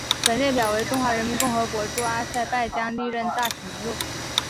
本列表为中华人民共和国驻阿塞拜疆历任大使名录。